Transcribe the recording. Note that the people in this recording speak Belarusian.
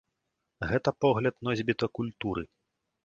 Гэта погляд носьбіта культуры.